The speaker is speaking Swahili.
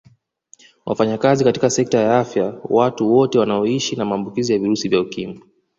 Wafanyakazi katika sekta ya afya Watu wote wanaoishi na maambukizi ya virusi vya Ukimwi